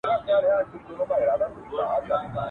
بار به سپک سي او هوسا سفر به وکړې.